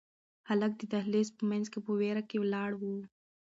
هلک د دهلېز په منځ کې په وېره کې ولاړ و.